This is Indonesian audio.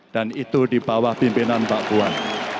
dan itu di bawah pimpinan mbak puan